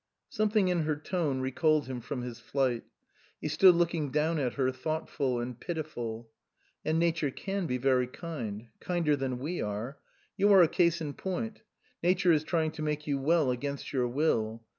Something in her tone recalled him from his flight. He stood looking down at her, thought ful and pitiful. " And Nature can be very kind ; kinder than we are. You are a case in point. Nature is trying to make you well against your will.